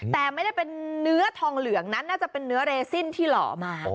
แต่ไม่ได้เป็นเนื้อทองเหลืองนั้นน่าจะเป็นเนื้อเรซินที่หล่อมา